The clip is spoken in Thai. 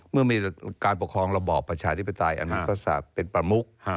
เมื่อมีการปกครองระบอบประชาธิปไตยอันนั้นก็เป็นประมุก